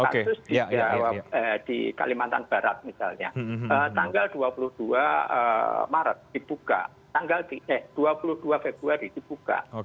kasus di kalimantan barat misalnya tanggal dua puluh dua maret dibuka tanggal dua puluh dua februari dibuka